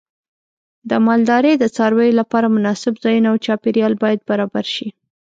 د مالدارۍ د څارویو لپاره مناسب ځایونه او چاپیریال باید برابر شي.